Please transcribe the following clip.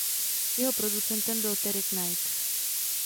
Jeho producentem byl Terry Knight.